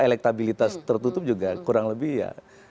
elektabilitas tertutup juga kurang lebih ya